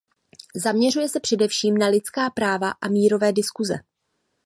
Zaměřuje se především na lidská práva a mírové diskuse.